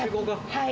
はい。